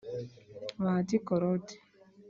Bahati Claude